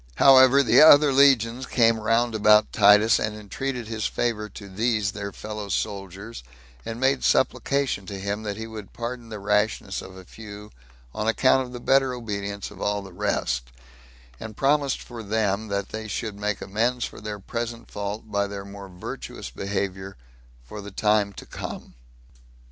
However, the other legions came round about Titus, and entreated his favor to these their fellow soldiers, and made supplication to him, that he would pardon the rashness of a few, on account of the better obedience of all the rest; and promised for them that they should make amends for their present fault, by their more virtuous behavior for the time to come.